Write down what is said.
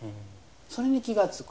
それに気が付く。